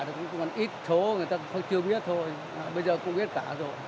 còn ít số người ta cũng chưa biết thôi bây giờ cũng biết cả rồi